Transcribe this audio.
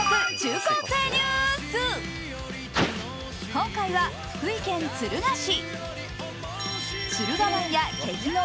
今回は福井県敦賀市。